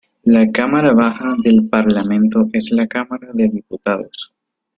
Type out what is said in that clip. La cámara baja del Parlamento es la Cámara de Diputados.